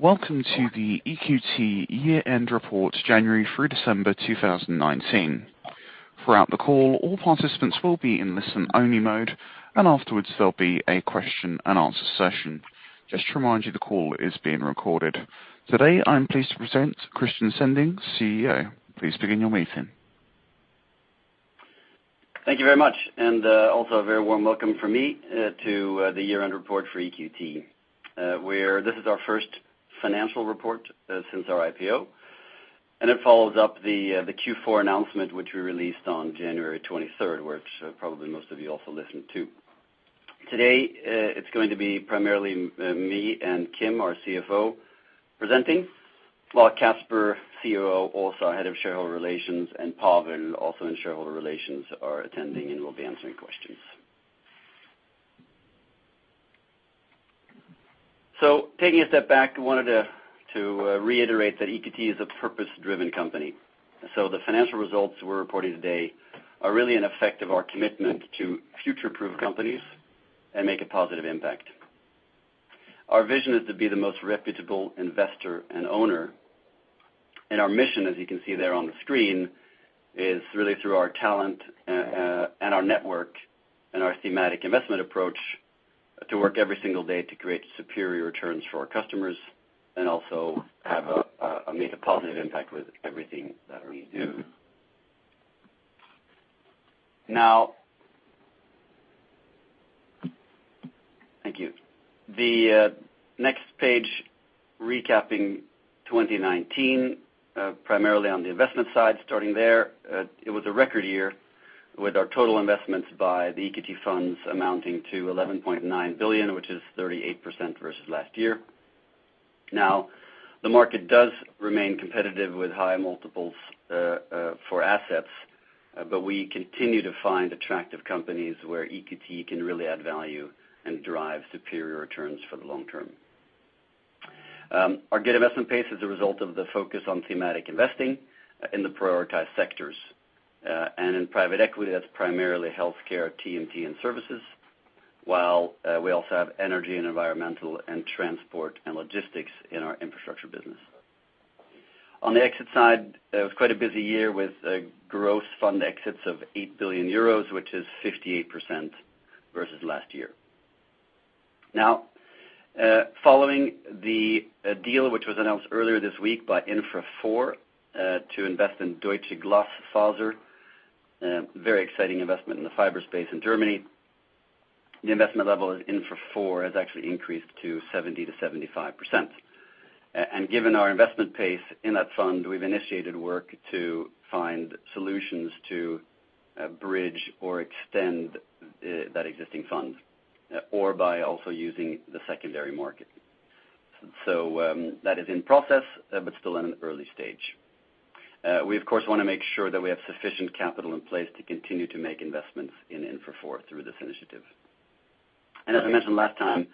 Welcome to the EQT year-end report, January through December 2019. Throughout the call, all participants will be in listen-only mode, and afterwards there'll be a question and answer session. Just to remind you, the call is being recorded. Today, I'm pleased to present Christian Sinding, CEO. Please begin your meeting. Thank you very much, and also a very warm welcome from me to the year-end report for EQT, where this is our first financial report since our IPO. It follows up the Q4 announcement, which we released on January 23rd, which probably most of you also listened to. Today, it's going to be primarily me and Kim, our CFO, presenting, while Caspar, our COO, also our Head of Shareholder Relations, and Pavel, also in Shareholder Relations, are attending and will be answering questions. Taking a step back, I wanted to reiterate that EQT is a purpose-driven company. The financial results we're reporting today are really an effect of our commitment to future-proof companies and make a positive impact. Our vision is to be the most reputable investor and owner. Our mission, as you can see there on the screen, is really through our talent and our network and our thematic investment approach to work every single day to create superior returns for our customers and also make a positive impact with everything that we do. Thank you. The next page, recapping 2019, primarily on the investment side, starting there. It was a record year with our total investments by the EQT funds amounting to 11.9 billion, which is 38% versus last year. The market does remain competitive with high multiples for assets, but we continue to find attractive companies where EQT can really add value and drive superior returns for the long term. Our investment pace is a result of the focus on thematic investing in the prioritized sectors. In private equity, that's primarily healthcare, TMT, and services, while we also have energy and environmental and transport and logistics in our infrastructure business. On the exit side, it was quite a busy year with gross fund exits of 8 billion euros, which is 58% versus last year. Following the deal which was announced earlier this week by Infra IV to invest in Deutsche Glasfaser, a very exciting investment in the fiber space in Germany, the investment level in Infra IV has actually increased to 70%-75%. Given our investment pace in that fund, we've initiated work to find solutions to bridge or extend that existing fund, or by also using the secondary market. That is in process, but still in an early stage. We, of course, want to make sure that we have sufficient capital in place to continue to make investments in Infra IV through this initiative. As I mentioned last time,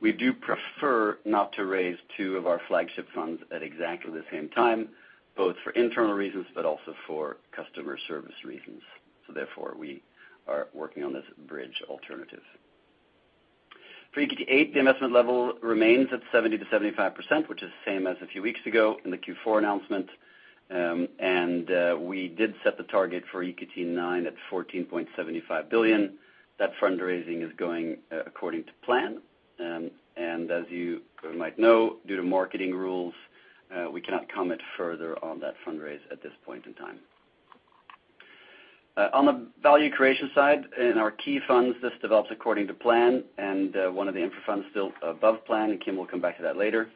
we do prefer not to raise two of our flagship funds at exactly the same time, both for internal reasons, but also for customer service reasons. Therefore, we are working on this bridge alternative. For EQT VIII, the investment level remains at 70%-75%, which is the same as a few weeks ago in the Q4 announcement. We did set the target for EQT IX at 14.75 billion. That fundraising is going according to plan. As you might know, due to marketing rules, we cannot comment further on that fundraise at this point in time. On the value creation side, in our key funds, this develops according to plan. One of the Infra funds still above plan. Kim will come back to that later.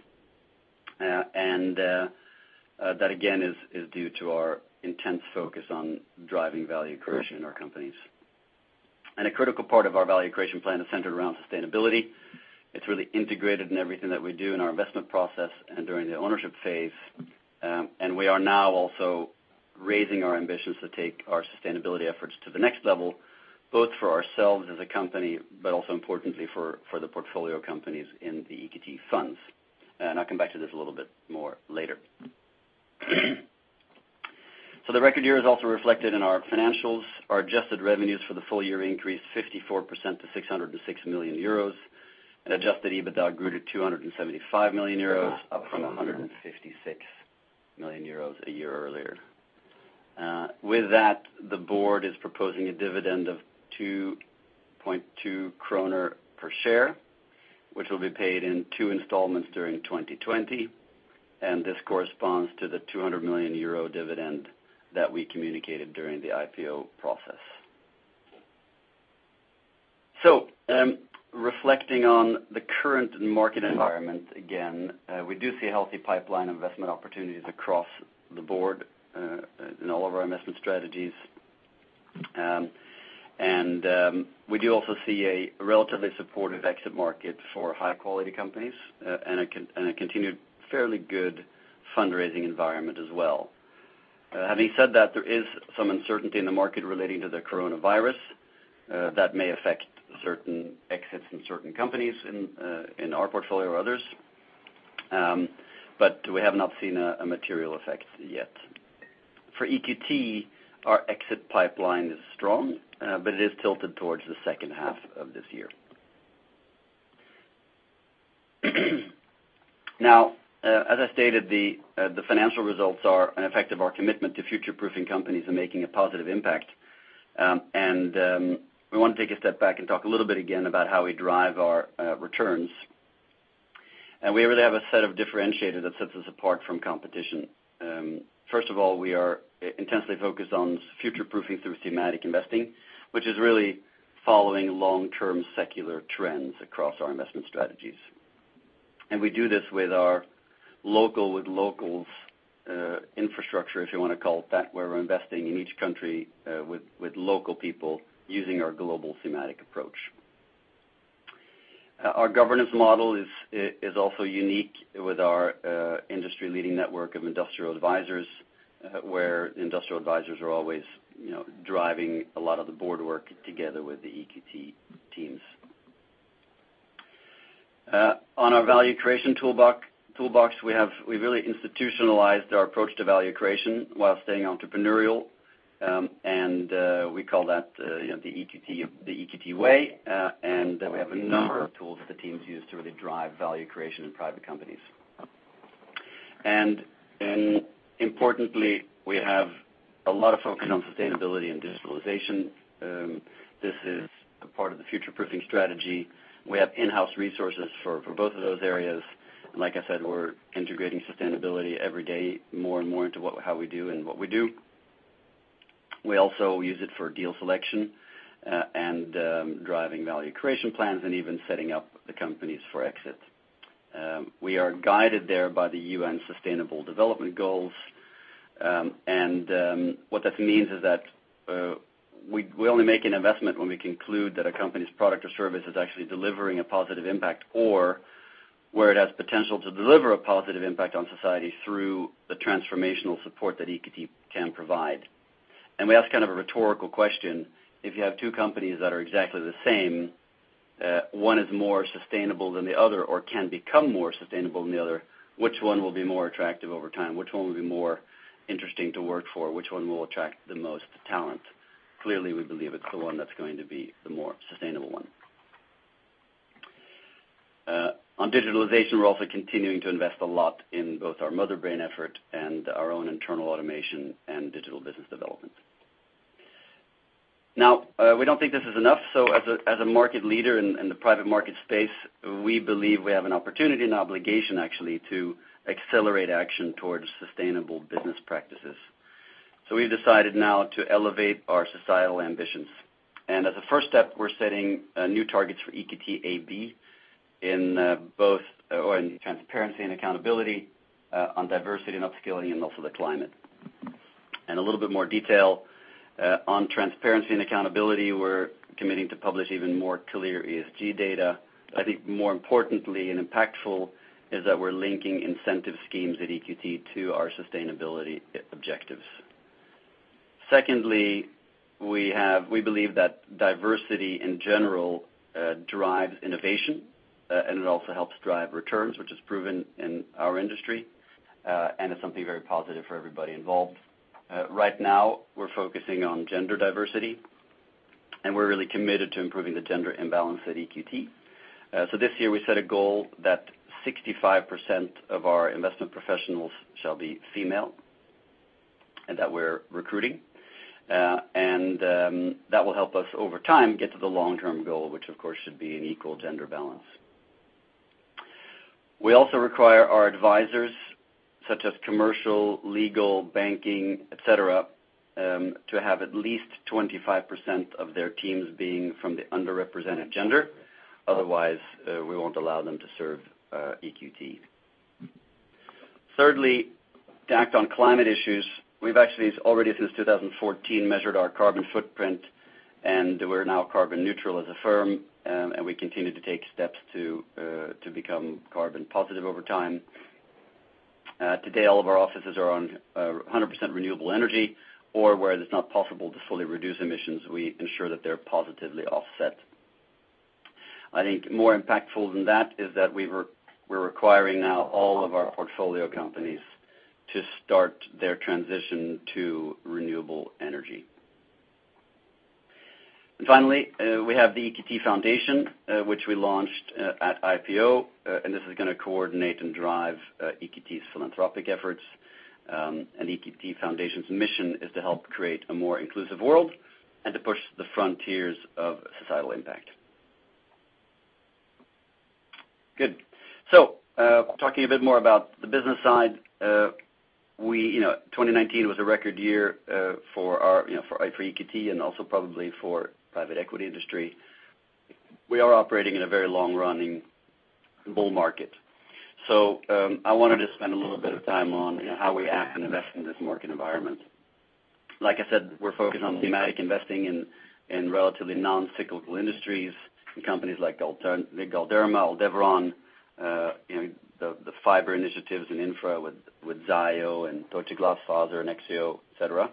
That again, is due to our intense focus on driving value creation in our companies. A critical part of our value creation plan is centered around sustainability. It's really integrated in everything that we do in our investment process and during the ownership phase. We are now also raising our ambitions to take our sustainability efforts to the next level, both for ourselves as a company, but also importantly for the portfolio companies in the EQT funds. I'll come back to this a little bit more later. The record year is also reflected in our financials. Our adjusted revenues for the full year increased 54% to 606 million euros. Adjusted EBITDA grew to 275 million euros, up from 156 million euros a year earlier. With that, the board is proposing a dividend of 2.2 kronor per share, which will be paid in two installments during 2020, and this corresponds to the 200 million euro dividend that we communicated during the IPO process. Reflecting on the current market environment, again, we do see a healthy pipeline of investment opportunities across the board in all of our investment strategies. We do also see a relatively supportive exit market for high-quality companies and a continued fairly good fundraising environment as well. Having said that, there is some uncertainty in the market relating to the coronavirus that may affect certain exits in certain companies in our portfolio or others, but we have not seen a material effect yet. For EQT, our exit pipeline is strong, but it is tilted towards the second half of this year. As I stated, the financial results are an effect of our commitment to future-proofing companies and making a positive impact. We want to take a step back and talk a little bit again about how we drive our returns. We really have a set of differentiators that sets us apart from competition. First of all, we are intensely focused on future-proofing through thematic investing, which is really following long-term secular trends across our investment strategies. We do this with our local, with locals infrastructure, if you want to call it that, where we're investing in each country with local people using our global thematic approach. Our governance model is also unique with our industry-leading network of industrial advisors, where the industrial advisors are always driving a lot of the board work together with the EQT teams. On our value creation toolbox, we've really institutionalized our approach to value creation while staying entrepreneurial, and we call that the EQT Way. We have a number of tools that teams use to really drive value creation in private companies. Importantly, we have a lot of focus on sustainability and digitalization. This is a part of the future-proofing strategy. We have in-house resources for both of those areas. Like I said, we're integrating sustainability every day more and more into how we do and what we do. We also use it for deal selection, and driving value creation plans, and even setting up the companies for exit. We are guided there by the U.N. Sustainable Development Goals. What that means is that we only make an investment when we conclude that a company's product or service is actually delivering a positive impact or where it has potential to deliver a positive impact on society through the transformational support that EQT can provide. We ask a rhetorical question, if you have two companies that are exactly the same, one is more sustainable than the other or can become more sustainable than the other, which one will be more attractive over time? Which one will be more interesting to work for? Which one will attract the most talent? Clearly, we believe it's the one that's going to be the more sustainable one. On digitalization, we're also continuing to invest a lot in both our Motherbrain effort and our own internal automation and digital business development. We don't think this is enough, so as a market leader in the private market space, we believe we have an opportunity and obligation, actually, to accelerate action towards sustainable business practices. We've decided now to elevate our societal ambitions. As a first step, we're setting new targets for EQT AB in transparency and accountability, on diversity and upskilling, and also the climate. A little bit more detail on transparency and accountability, we're committing to publish even more clear ESG data. I think more importantly and impactful is that we're linking incentive schemes at EQT to our sustainability objectives. Secondly, we believe that diversity in general drives innovation, and it also helps drive returns, which is proven in our industry, and it's something very positive for everybody involved. Right now, we're focusing on gender diversity, and we're really committed to improving the gender imbalance at EQT. This year, we set a goal that 65% of our investment professionals shall be female, and that we're recruiting. That will help us over time get to the long-term goal, which, of course, should be an equal gender balance. We also require our advisors, such as commercial, legal, banking, et cetera, to have at least 25% of their teams being from the underrepresented gender. Otherwise, we won't allow them to serve EQT. Thirdly, to act on climate issues, we've actually already since 2014, measured our carbon footprint, and we're now carbon neutral as a firm, and we continue to take steps to become carbon positive over time. Today, all of our offices are on 100% renewable energy, or where it's not possible to fully reduce emissions, we ensure that they're positively offset. I think more impactful than that is that we're requiring now all of our portfolio companies to start their transition to renewable energy. Finally, we have the EQT Foundation, which we launched at IPO, and this is going to coordinate and drive EQT's philanthropic efforts. EQT Foundation's mission is to help create a more inclusive world and to push the frontiers of societal impact. Good. Talking a bit more about the business side. 2019 was a record year for EQT and also probably for private equity industry. We are operating in a very long-running bull market. I wanted to spend a little bit of time on how we act and invest in this market environment. Like I said, we're focused on thematic investing in relatively non-cyclical industries, in companies like Galderma, Aldevron, the fiber initiatives in infra with Zayo and Torgglas Fabrikker and EXEO, et cetera.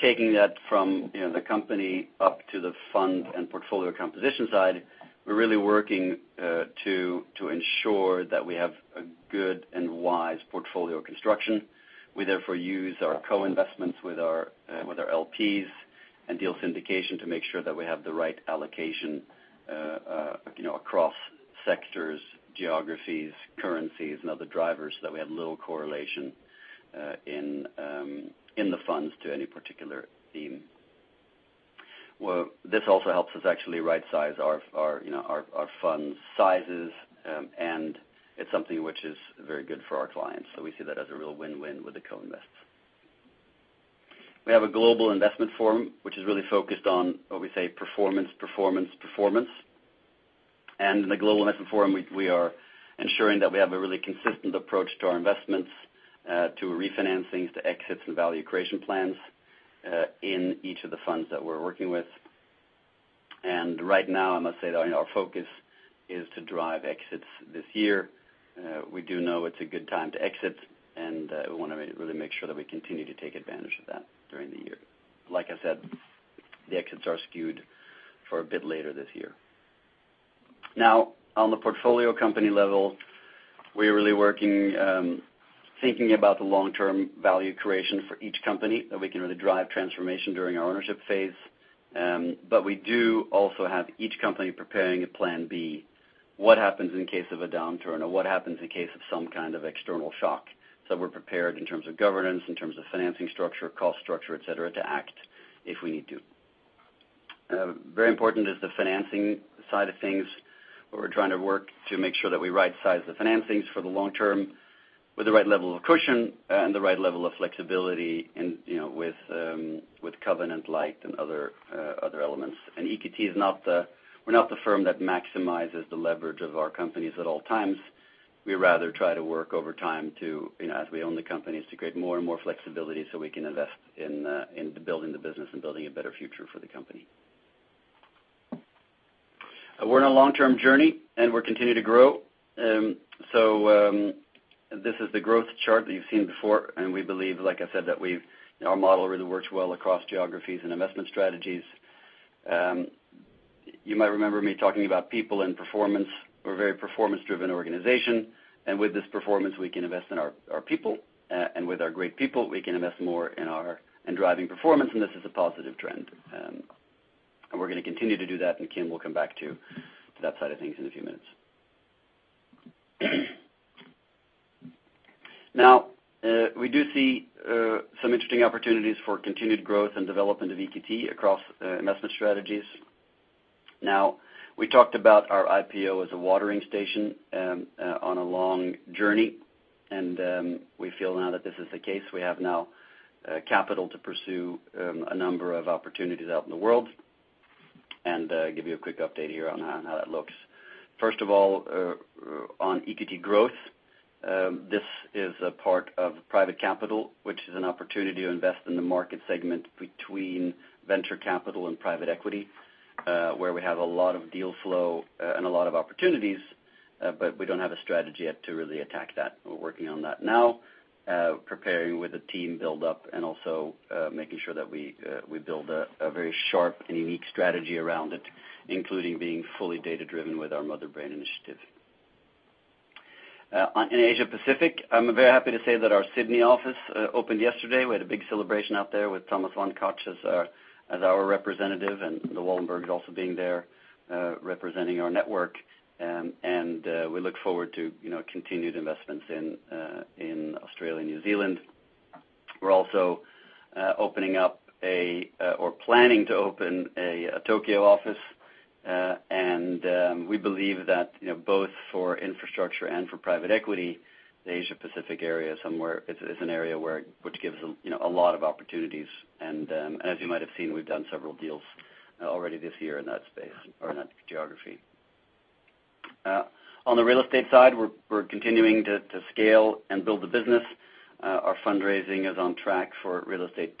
Taking that from the company up to the fund and portfolio composition side, we're really working to ensure that we have a good and wise portfolio construction. We therefore use our co-investments with our LPs and deal syndication to make sure that we have the right allocation across sectors, geographies, currencies, and other drivers, so that we have little correlation in the funds to any particular theme. Well, this also helps us actually right-size our fund sizes, and it's something which is very good for our clients. We see that as a real win-win with the co-invest. We have a global investment forum, which is really focused on what we say performance, performance. In the global investment forum, we are ensuring that we have a really consistent approach to our investments, to refinancings, to exits, and value creation plans in each of the funds that we're working with. Right now, I must say that our focus is to drive exits this year. We do know it's a good time to exit, and we want to really make sure that we continue to take advantage of that during the year. Like I said, the exits are skewed for a bit later this year. On the portfolio company level, we're really working, thinking about the long-term value creation for each company, that we can really drive transformation during our ownership phase. We do also have each company preparing a Plan B. What happens in case of a downturn, or what happens in case of some kind of external shock? We're prepared in terms of governance, in terms of financing structure, cost structure, et cetera, to act if we need to. Very important is the financing side of things, where we're trying to work to make sure that we right-size the financings for the long term with the right level of cushion and the right level of flexibility and with covenant light and other elements. EQT, we're not the firm that maximizes the leverage of our companies at all times. We rather try to work over time to, as we own the companies, to create more and more flexibility so we can invest in building the business and building a better future for the company. We're on a long-term journey, and we continue to grow. This is the growth chart that you've seen before. We believe, like I said, that our model really works well across geographies and investment strategies. You might remember me talking about people and performance. We're a very performance-driven organization. With this performance, we can invest in our people, and with our great people, we can invest more in driving performance, and this is a positive trend. We're going to continue to do that, and Kim will come back to that side of things in a few minutes. Now, we do see some interesting opportunities for continued growth and development of EQT across investment strategies. Now, we talked about our IPO as a watering station on a long journey, and we feel now that this is the case. We have now capital to pursue a number of opportunities out in the world. Give you a quick update here on how that looks. First of all, on EQT Growth, this is a part of private capital, which is an opportunity to invest in the market segment between venture capital and private equity, where we have a lot of deal flow and a lot of opportunities, but we don't have a strategy yet to really attack that. We're working on that now, preparing with a team build-up and also making sure that we build a very sharp and unique strategy around it, including being fully data-driven with our Motherbrain initiative. In Asia Pacific, I'm very happy to say that our Sydney office opened yesterday. We had a big celebration out there with Thomas von Koch as our representative and the Wallenbergs also being there representing our network. We look forward to continued investments in Australia and New Zealand. We're also opening up or planning to open a Tokyo office. We believe that both for infrastructure and for private equity, the Asia Pacific area is an area which gives a lot of opportunities. As you might have seen, we've done several deals already this year in that space or in that geography. On the real estate side, we're continuing to scale and build the business. Our fundraising is on track for EQT Real Estate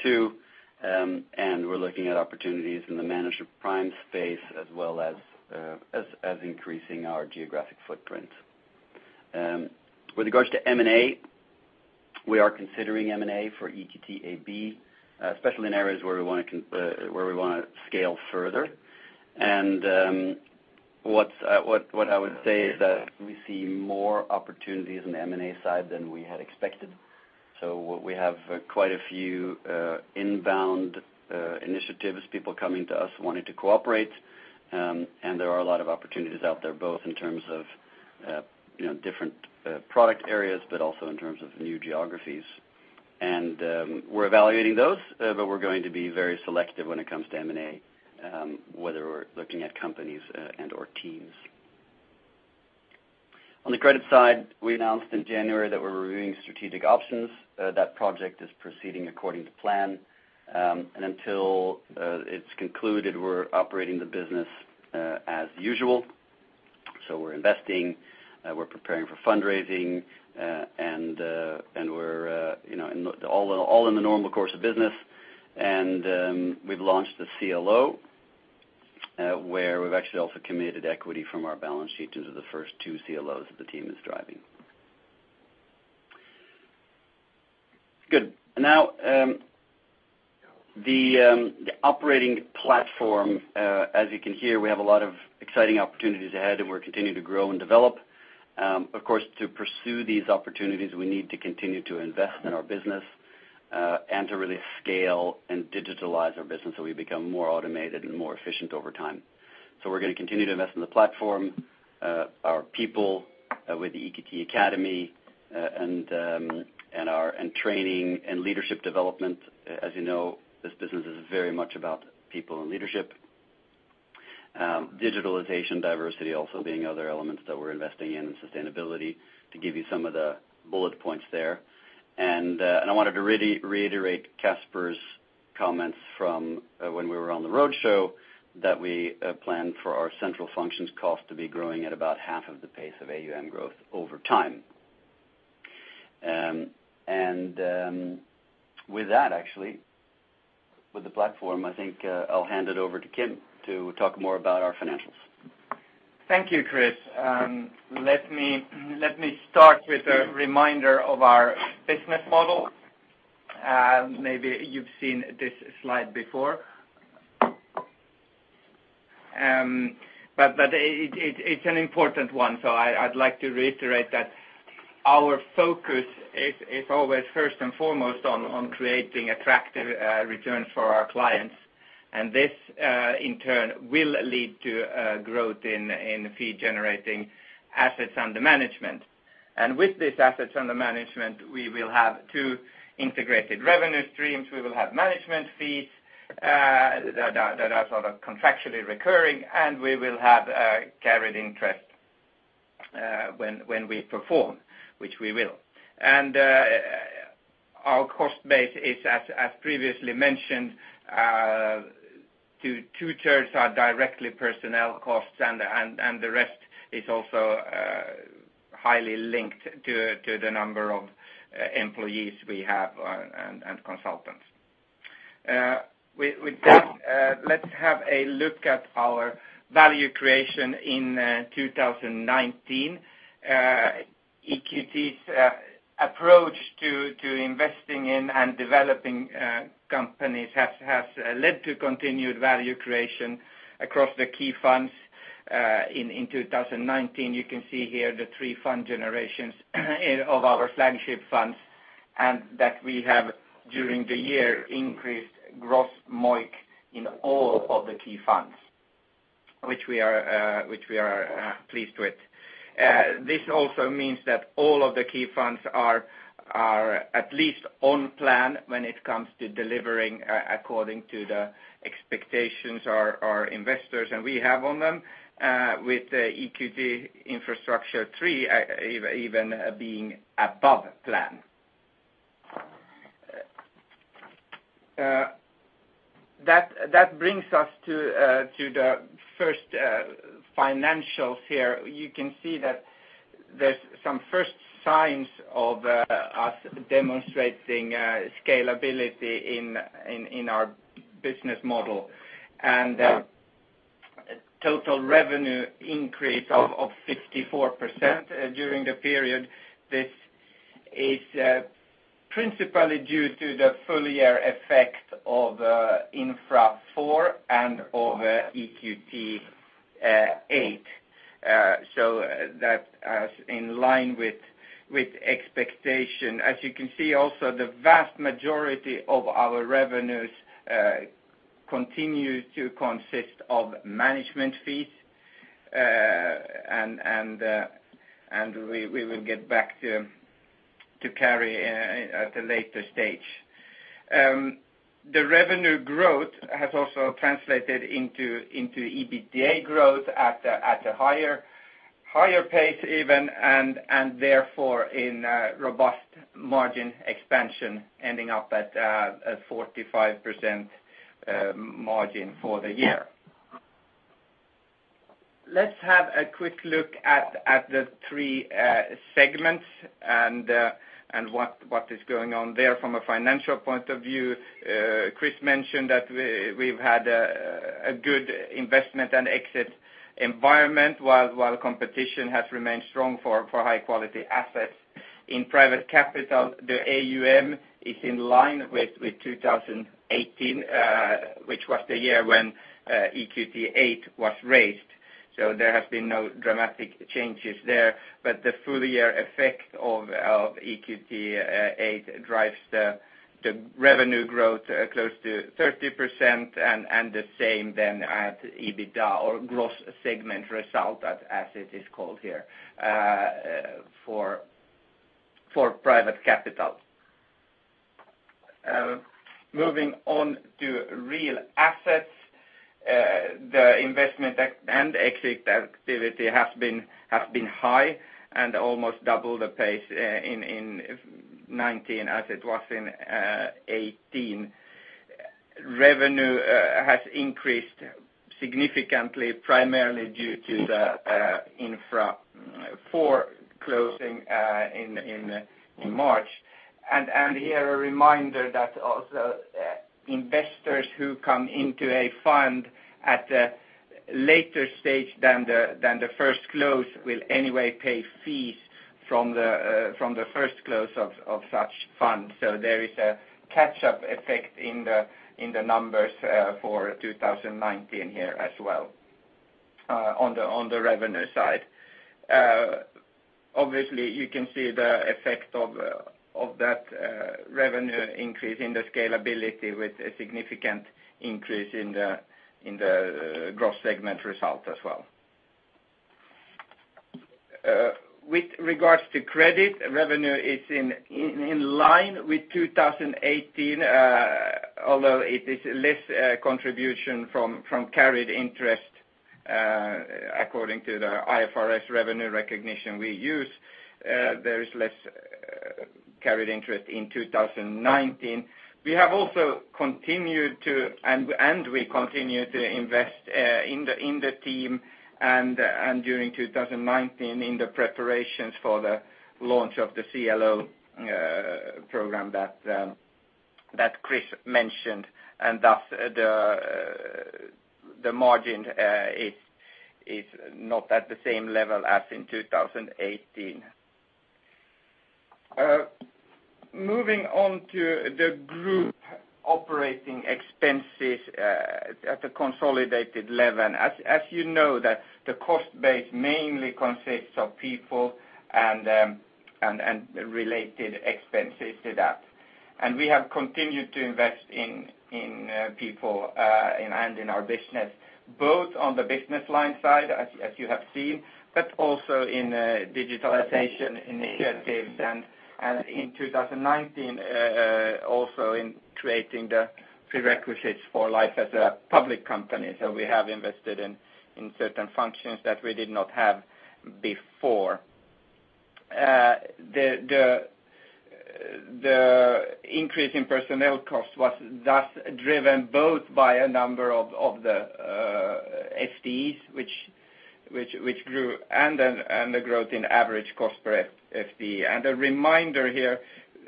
II. We're looking at opportunities in the managed prime space as well as increasing our geographic footprint. With regards to M&A, we are considering M&A for EQT AB, especially in areas where we want to scale further. What I would say is that we see more opportunities in the M&A side than we had expected. We have quite a few inbound initiatives, people coming to us wanting to cooperate, and there are a lot of opportunities out there, both in terms of different product areas, but also in terms of new geographies. We're evaluating those, but we're going to be very selective when it comes to M&A, whether we're looking at companies and/or teams. On the credit side, we announced in January that we're reviewing strategic options. That project is proceeding according to plan. Until it's concluded, we're operating the business as usual. We're investing, we're preparing for fundraising, and we're all in the normal course of business. We've launched the CLO where we've actually also committed equity from our balance sheet in terms of the first two CLOs that the team is driving. Good. Now, the operating platform, as you can hear, we have a lot of exciting opportunities ahead, and we're continuing to grow and develop. Of course, to pursue these opportunities, we need to continue to invest in our business, and to really scale and digitalize our business so we become more automated and more efficient over time. We're going to continue to invest in the platform, our people with the EQT Academy, and training and leadership development. As you know, this business is very much about people and leadership. Digitalization, diversity also being other elements that we're investing in, and sustainability to give you some of the bullet points there. I wanted to reiterate Caspar's comments from when we were on the roadshow that we plan for our central functions cost to be growing at about half of the pace of AUM growth over time. With that, actually, with the platform, I think I'll hand it over to Kim to talk more about our financials. Thank you, Chris. Let me start with a reminder of our business model. Maybe you've seen this slide before, but it's an important one, so I'd like to reiterate that our focus is always first and foremost on creating attractive returns for our clients, and this, in turn, will lead to growth in fee-generating assets under management. With these assets under management, we will have two integrated revenue streams. We will have management fees that are sort of contractually recurring, and we will have carried interest when we perform, which we will. Our cost base is, as previously mentioned, two-thirds are directly personnel costs and the rest is also highly linked to the number of employees we have and consultants. With that, let's have a look at our value creation in 2019. EQT's approach to investing in and developing companies has led to continued value creation across the key funds in 2019. You can see here the three fund generations of our flagship funds, and that we have during the year increased gross MOIC in all of the key funds, which we are pleased with. This also means that all of the key funds are at least on plan when it comes to delivering according to the expectations our investors and we have on them, with EQT Infrastructure III even being above plan. That brings us to the first financials here. You can see that there's some first signs of us demonstrating scalability in our business model, and total revenue increase of 64% during the period. This is principally due to the full year effect of Infra IV and of EQT VIII. That is in line with expectation. As you can see also, the vast majority of our revenues continue to consist of management fees. We will get back to carry at a later stage. The revenue growth has also translated into EBITDA growth at a higher pace even, and therefore in robust margin expansion ending up at a 45% margin for the year. Let's have a quick look at the three segments and what is going on there from a financial point of view. Chris mentioned that we've had a good investment and exit environment while competition has remained strong for high-quality assets. In private capital, the AUM is in line with 2018, which was the year when EQT VIII was raised. There have been no dramatic changes there, but the full year effect of EQT VIII drives the revenue growth close to 30% and the same at EBITDA or gross segment result as it is called here for private capital. Moving on to real assets, the investment and exit activity has been high and almost double the pace in 2019 as it was in 2018. Revenue has increased significantly, primarily due to the EQT Infrastructure IV closing in March. Here, a reminder that also investors who come into a fund at a later stage than the first close will anyway pay fees from the first close of such funds. There is a catch-up effect in the numbers for 2019 here as well on the revenue side. Obviously, you can see the effect of that revenue increase in the scalability with a significant increase in the growth segment result as well. With regards to credit, revenue is in line with 2018, although it is less contribution from carried interest according to the IFRS revenue recognition we use. There is less carried interest in 2019. We have also continued to invest in the team and during 2019 in the preparations for the launch of the CLO program that Chris mentioned. Thus the margin is not at the same level as in 2018. Moving on to the group operating expenses at a consolidated level. As you know that the cost base mainly consists of people and related expenses to that. We have continued to invest in people and in our business, both on the business line side as you have seen, but also in digitalization initiatives and in 2019 also in creating the prerequisites for life as a public company. We have invested in certain functions that we did not have before. The increase in personnel costs was thus driven both by a number of the FTEs, which grew, and the growth in average cost per FTE. A reminder here,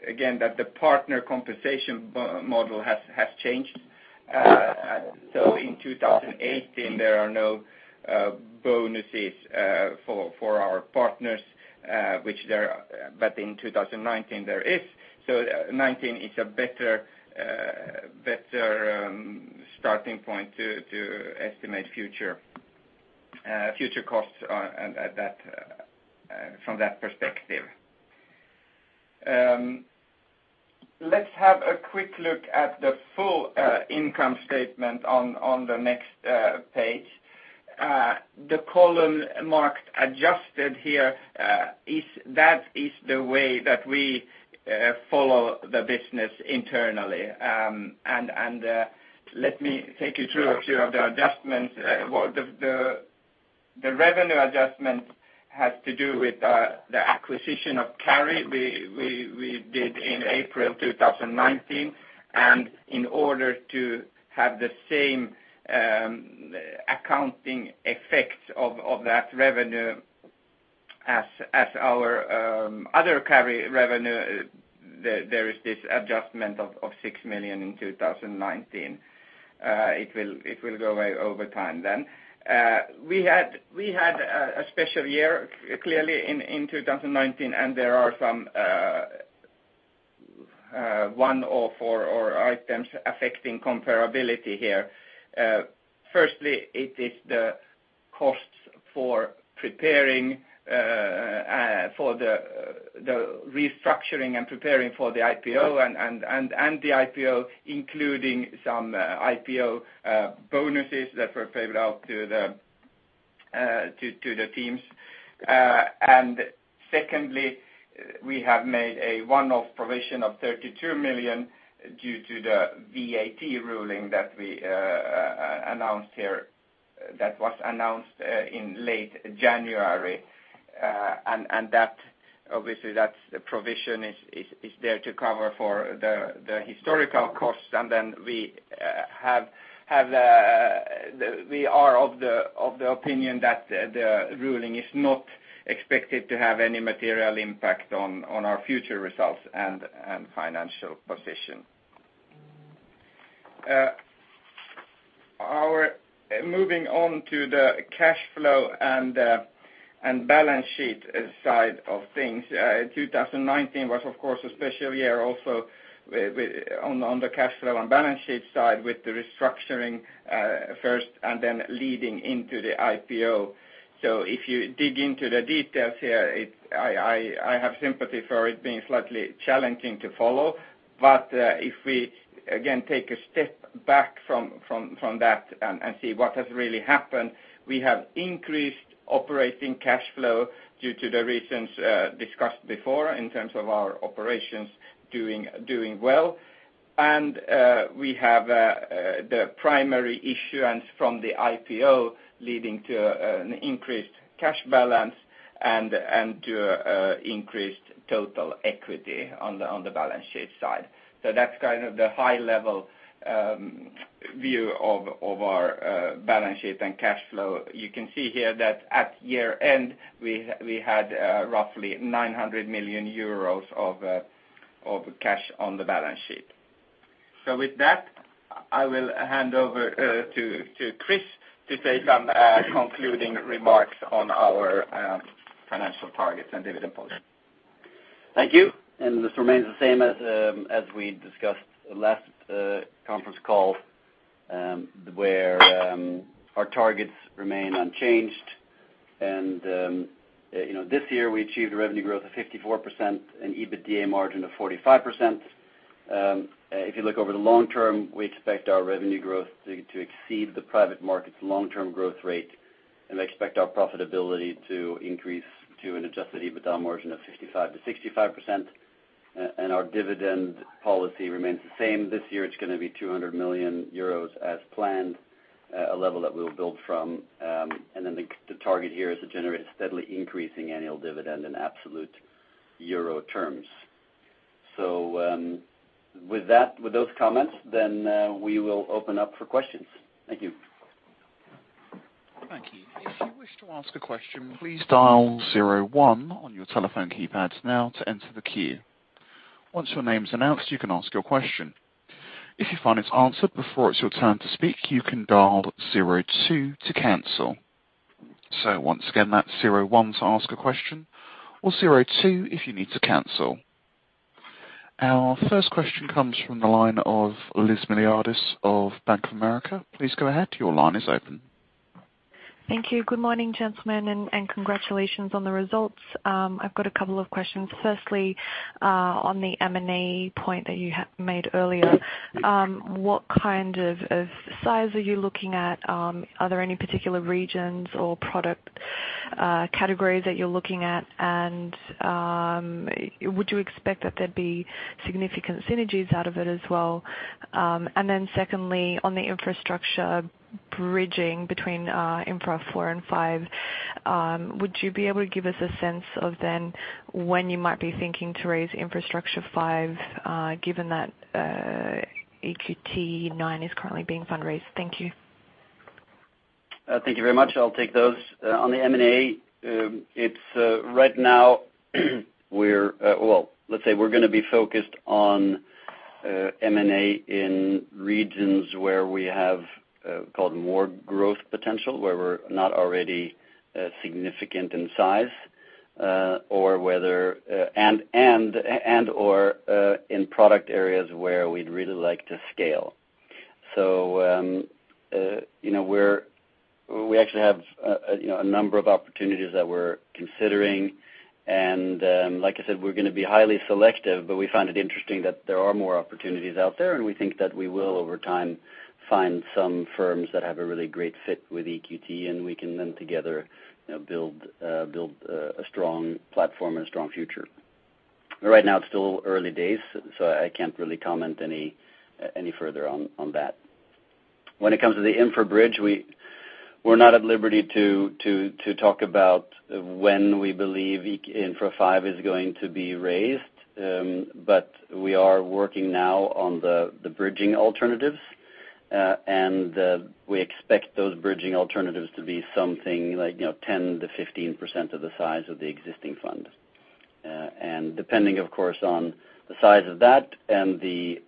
again, that the partner compensation model has changed. In 2018, there are no bonuses for our partners but in 2019, there is. 2019 is a better starting point to estimate future costs from that perspective. Let's have a quick look at the full income statement on the next page. The column marked Adjusted here, that is the way that we follow the business internally. Let me take you through a few of the adjustments. Well, the revenue adjustments has to do with the acquisition of Carry we did in April 2019. In order to have the same accounting effects of that revenue as our other Carry revenue, there is this adjustment of 6 million in 2019. It will go away over time then. We had a special year clearly in 2019, and there are some one-off or items affecting comparability here. Firstly, it is the costs for preparing for the restructuring and preparing for the IPO and the IPO, including some IPO bonuses that were paid out to the teams. Secondly, we have made a one-off provision of 32 million due to the VAT ruling that was announced in late January. Obviously that's the provision is there to cover for the historical costs. We are of the opinion that the ruling is not expected to have any material impact on our future results and financial position. Moving on to the cash flow and balance sheet side of things. 2019 was of course a special year also on the cash flow and balance sheet side with the restructuring first and then leading into the IPO. If you dig into the details here, I have sympathy for it being slightly challenging to follow. If we again take a step back from that and see what has really happened, we have increased operating cash flow due to the reasons discussed before in terms of our operations doing well. We have the primary issuance from the IPO leading to an increased cash balance and to increased total equity on the balance sheet side. That's the high level view of our balance sheet and cash flow. You can see here that at year-end, we had roughly 900 million euros of cash on the balance sheet. With that, I will hand over to Chris to say some concluding remarks on our financial targets and dividend policy. Thank you. This remains the same as we discussed last conference call, where our targets remain unchanged. This year we achieved a revenue growth of 54% and EBITDA margin of 45%. If you look over the long term, we expect our revenue growth to exceed the private market's long-term growth rate, and we expect our profitability to increase to an adjusted EBITDA margin of 65%, and our dividend policy remains the same. This year it's going to be 200 million euros as planned, a level that we'll build from. The target here is to generate a steadily increasing annual dividend in absolute euro terms. With those comments, then we will open up for questions. Thank you. Thank you. If you wish to ask a question, please dial zero one on your telephone keypads now to enter the queue. Once your name's announced, you can ask your question. If you find it's answered before it's your turn to speak, you can dial zero two to cancel. Once again, that's zero one to ask a question or zero two if you need to cancel. Our first question comes from the line of Elizabeth Miliatis of Bank of America. Please go ahead. Your line is open. Thank you. Good morning, gentlemen, and congratulations on the results. I've got a couple of questions. Firstly, on the M&A point that you made earlier, what kind of size are you looking at? Are there any particular regions or product categories that you're looking at? Would you expect that there'd be significant synergies out of it as well? Secondly, on the infrastructure bridging between Infra IV and V, would you be able to give us a sense of when you might be thinking to raise Infrastructure V, given that EQT IX is currently being fundraised? Thank you. Thank you very much. I'll take those. On the M&A, let's say we're going to be focused on M&A in regions where we have more growth potential, where we're not already significant in size, and/or in product areas where we'd really like to scale. We actually have a number of opportunities that we're considering, and like I said, we're going to be highly selective, but we find it interesting that there are more opportunities out there, and we think that we will, over time, find some firms that have a really great fit with EQT and we can then together build a strong platform and a strong future. Right now it's still early days, so I can't really comment any further on that. When it comes to the Infra bridge, we're not at liberty to talk about when we believe Infra V is going to be raised. We are working now on the bridging alternatives, and we expect those bridging alternatives to be something like 10%-15% of the size of the existing fund. Depending, of course, on the size of that and the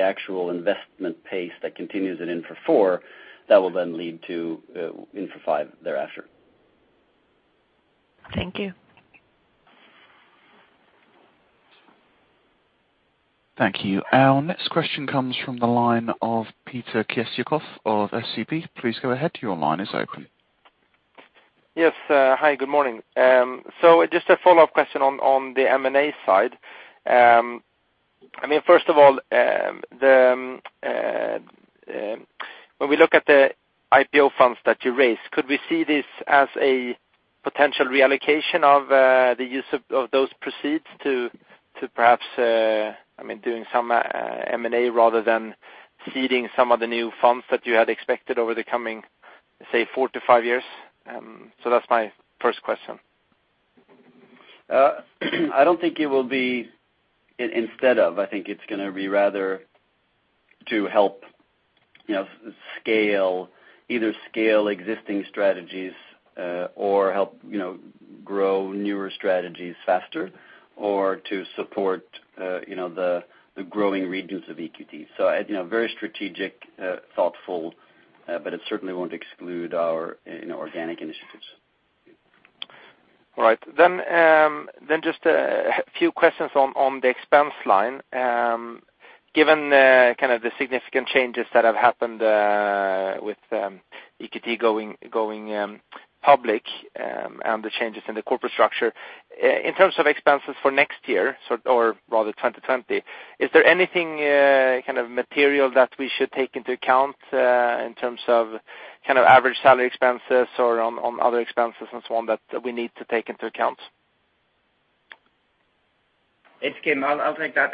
actual investment pace that continues at Infra IV, that will then lead to Infra V thereafter. Thank you. Thank you. Our next question comes from the line of Peter Kessiakoff of SEB. Please go ahead. Your line is open. Yes. Hi, good morning. Just a follow-up question on the M&A side. First of all, when we look at the IPO funds that you raised, could we see this as a potential reallocation of the use of those proceeds to perhaps do some M&A rather than seeding some of the new funds that you had expected over the coming, say, four to five years? That's my first question. I don't think it will be instead of. I think it's going to be rather to help either scale existing strategies or help grow newer strategies faster or to support the growing regions of EQT. Very strategic, thoughtful, but it certainly won't exclude our organic initiatives. All right. Just a few questions on the expense line. Given the significant changes that have happened with EQT going public and the changes in the corporate structure, in terms of expenses for next year, or rather 2020, is there anything material that we should take into account in terms of average salary expenses or on other expenses and so on that we need to take into account? It's Kim. I'll take that.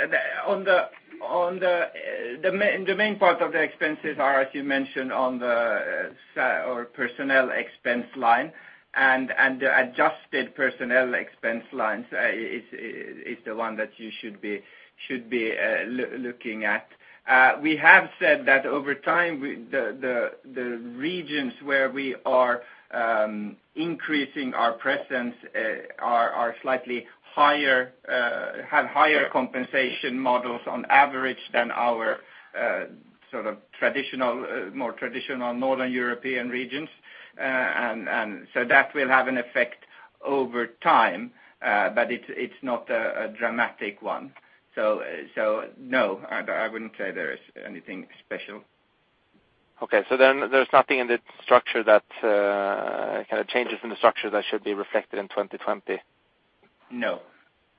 The main part of the expenses are, as you mentioned, on the personnel expense line. The adjusted personnel expense lines is the one that you should be looking at. We have said that over time, the regions where we are increasing our presence have higher compensation models on average than our more traditional northern European regions. That will have an effect over time, but it's not a dramatic one. No, I wouldn't say there is anything special. Okay. There's nothing in the structure that kind of changes from the structure that should be reflected in 2020? No.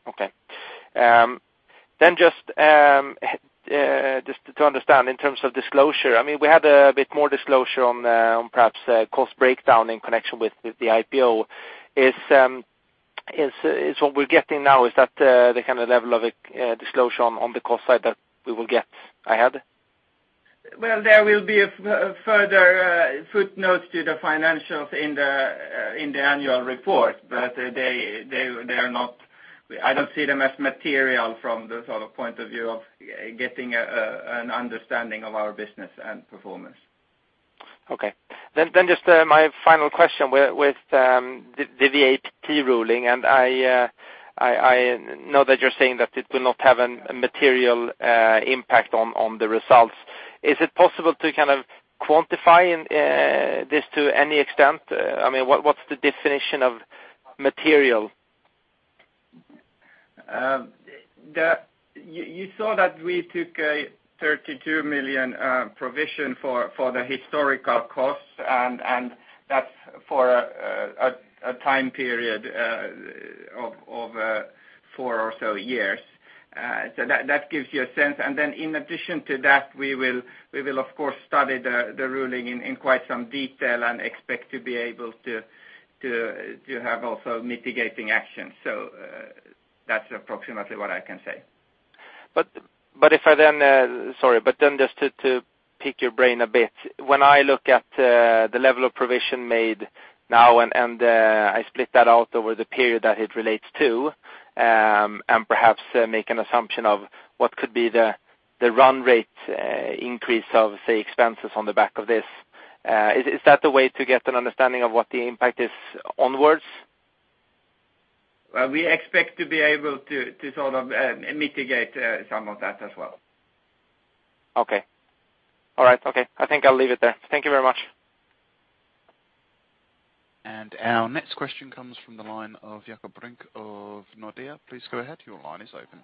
Okay. Just to understand, in terms of disclosure, we had a bit more disclosure on perhaps cost breakdown in connection with the IPO. Is what we're getting now, is that the kind of level of disclosure on the cost side that we will get ahead? Well, there will be further footnotes to the financials in the annual report, but I don't see them as material from the point of view of getting an understanding of our business and performance. Okay. Just my final question with the VAT ruling, and I know that you're saying that it will not have a material impact on the results. Is it possible to kind of quantify this to any extent? I mean, what's the definition of material? You saw that we took a 32 million provision for the historical costs. That's for a time period of four or so years. That gives you a sense. In addition to that, we will of course study the ruling in quite some detail and expect to be able to have also mitigating actions. That's approximately what I can say. Sorry, just to pick your brain a bit, when I look at the level of provision made now, and I split that out over the period that it relates to, and perhaps make an assumption of what could be the run rate increase of, say, expenses on the back of this, is that the way to get an understanding of what the impact is onwards? Well, we expect to be able to sort of mitigate some of that as well. Okay. All right. Okay. I think I'll leave it there. Thank you very much. Our next question comes from the line of Jakob Brink of Nordea. Please go ahead. Your line is open.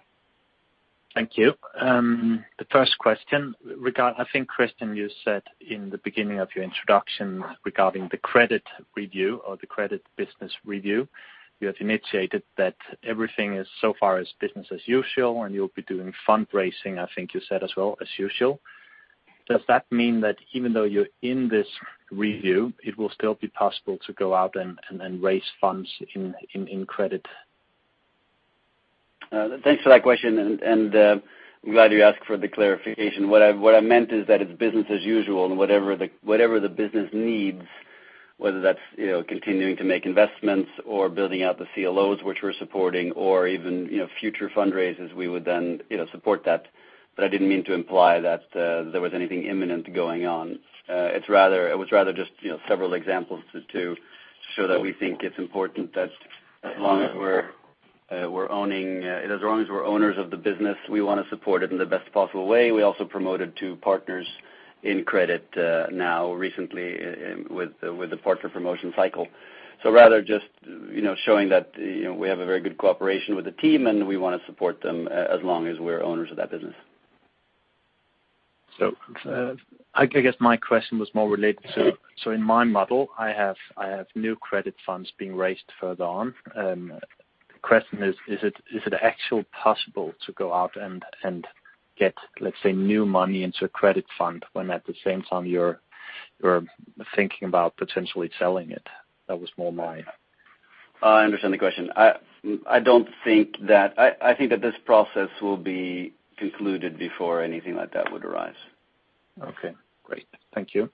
Thank you. The first question, I think, Christian, you said in the beginning of your introduction regarding the credit review or the credit business review, you have initiated that everything is so far as business as usual, and you'll be doing fundraising, I think you said as well, as usual. Does that mean that even though you're in this review, it will still be possible to go out and raise funds in credit? Thanks for that question. I'm glad you asked for the clarification. What I meant is that it's business as usual and whatever the business needs, whether that's continuing to make investments or building out the CLOs which we're supporting or even future fundraisers, we would then support that. I didn't mean to imply that there was anything imminent going on. It was rather just several examples to show that we think it's important that as long as we're owners of the business, we want to support it in the best possible way. We also promoted two partners in credit now recently with the partner promotion cycle. Rather just showing that we have a very good cooperation with the team, and we want to support them as long as we're owners of that business. I guess my question was more related to in my model, I have new credit funds being raised further on. The question is: Is it actually possible to go out and get, let's say, new money into a credit fund when at the same time you're thinking about potentially selling it? I understand the question. I think that this process will be concluded before anything like that would arise. Okay, great. Thank you.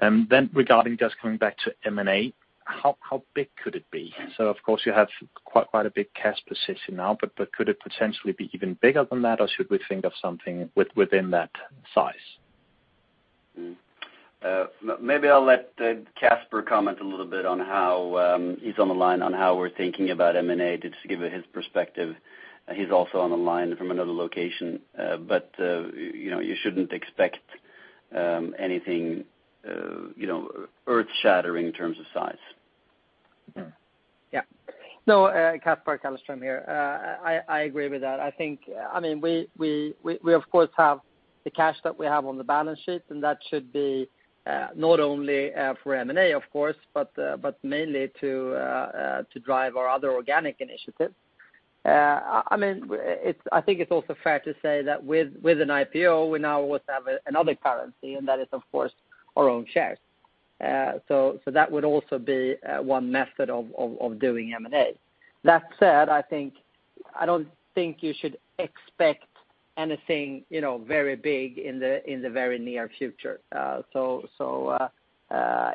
Regarding just coming back to M&A, how big could it be? Of course you have quite a big cash position now, but could it potentially be even bigger than that, or should we think of something within that size? Maybe I'll let Caspar comment a little bit on how he's on the line, how we're thinking about M&A, just to give his perspective. He's also on the line from another location. You shouldn't expect anything earth-shattering in terms of size. Yeah. Yeah. No, Caspar Callerström here. I agree with that. We of course have the cash that we have on the balance sheet, and that should be not only for M&A, of course, but mainly to drive our other organic initiatives. I think it's also fair to say that with an IPO, we now also have another currency, and that is, of course, our own shares. That would also be one method of doing M&A. That said, I don't think you should expect anything very big in the very near future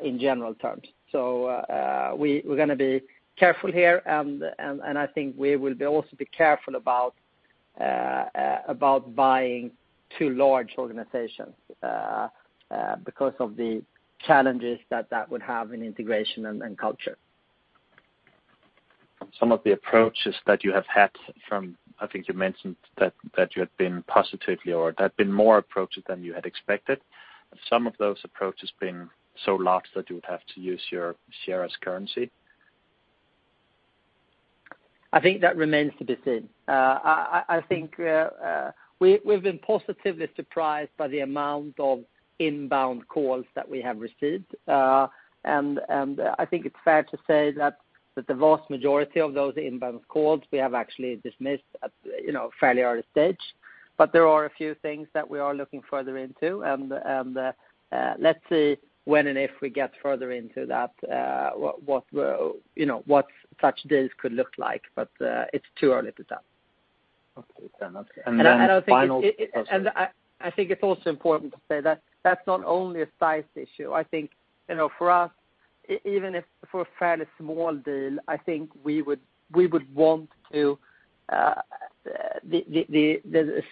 in general terms. We're going to be careful here, and I think we will also be careful about buying too large organizations because of the challenges that that would have in integration and culture. Some of the approaches that you have had from, I think you mentioned that you had been positively, or there had been more approaches than you had expected. Have some of those approaches been so large that you would have to use your shares currency? I think that remains to be seen. I think we've been positively surprised by the amount of inbound calls that we have received. I think it's fair to say that the vast majority of those inbound calls we have actually dismissed at a fairly early stage. There are a few things that we are looking further into, and let's see when and if we get further into that what such deals could look like. It's too early to tell. Okay. Fair enough. I think it's also important to say that's not only a size issue. I think, for us, even if for a fairly small deal, I think we would want the